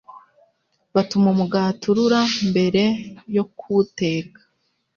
Batuma umugati urura mbere yo kuwuteka,